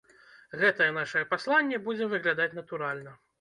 Гэтае нашае пасланне будзе выглядаць натуральна.